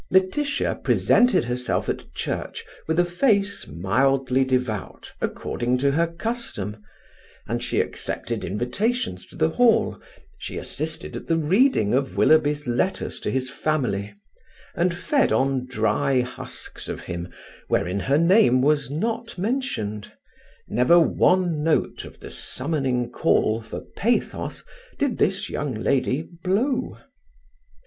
Laetitia presented herself at church with a face mildly devout, according to her custom, and she accepted invitations to the Hall, she assisted at the reading of Willoughby's letters to his family, and fed on dry husks of him wherein her name was not mentioned; never one note of the summoning call for pathos did this young lady blow.